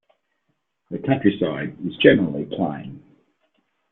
The countryside is generally plain.